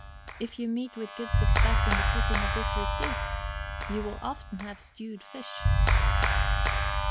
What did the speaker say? If you meet with good success in the cooking of this receipt, you will often have stewed fish.